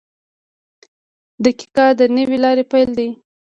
• دقیقه د نوې لارې پیل دی.